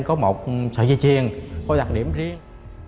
có một sợi dây chiền có đặc điểm riêng